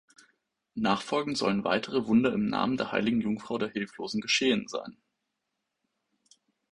Nachfolgend sollen weitere Wunder im Namen der Heiligen Jungfrau der Hilflosen geschehen sein.